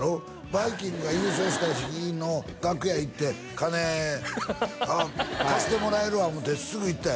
バイきんぐが優勝した日の楽屋行って金貸してもらえるわ思ってすぐ行ったやろ？